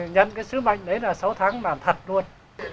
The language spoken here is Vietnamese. nhân cái sứ mệnh đấy là sáu tháng làm thật luôn